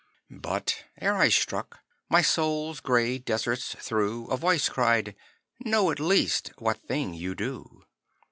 But ere I struck, my soul's grey deserts through A voice cried, 'Know at least what thing you do.'